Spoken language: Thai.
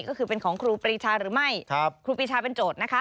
ก็คือเป็นของครูปรีชาหรือไม่ครูปรีชาเป็นโจทย์นะคะ